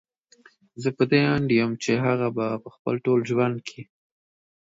زه په دې اند يم چې هغه به په خپل ټول ژوند کې